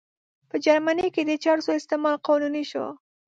په جرمني کې د چرسو استعمال قانوني شو.